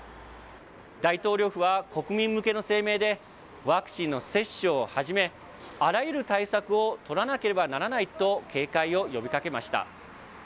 大統領府は国民向けの声明で、ワクチンの接種をはじめ、あらゆる対策を取らなければならないと、警戒を呼びかけました。